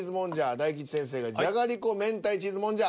大吉先生が「じゃがりこ明太チーズもんじゃ」。